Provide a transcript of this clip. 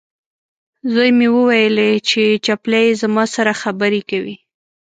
زوی مې وویلې، چې چپلۍ یې زما سره خبرې کوي.